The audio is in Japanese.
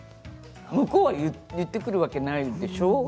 向こうが言ってくるわけないでしょう。